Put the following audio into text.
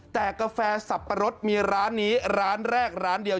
แต่กาแฟสับปะรดมีร้านนี้ร้านแรกร้านเดียว